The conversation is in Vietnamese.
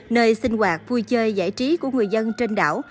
nơi sinh hoạt vui chơi giải trí của người dân trên đảo